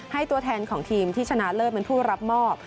ตัวแทนของทีมที่ชนะเลิศเป็นผู้รับมอบ